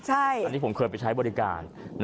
อันนี้ผมเคยไปใช้บริการ